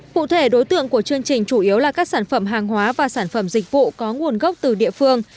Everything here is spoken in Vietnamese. cụ thể đối tượng của chương trình chủ yếu là các sản phẩm hàng hóa và sản phẩm dịch vụ có nguồn gốc từ địa phương